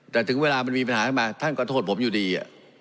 แต่ถึงเวลามันมีปัญหาขึ้นมาท่านก็โทษผมอยู่ดี